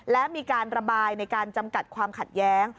และมีการระบายในการจำกัดความขัดแย้ง